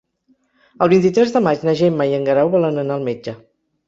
El vint-i-tres de maig na Gemma i en Guerau volen anar al metge.